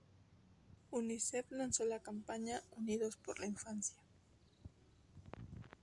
Unicef lanzó la campaña “Unidos por la Infancia.